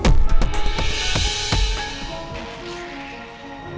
rahasia apa yang kamu sembunyiin